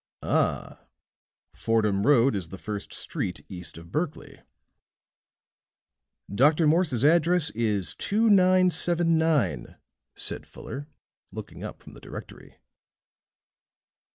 "Ah! Fordham Road is the first street east of Berkley." "Dr. Morse's address is 2979," said Fuller, looking up from the directory.